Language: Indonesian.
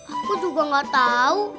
aku juga nggak tahu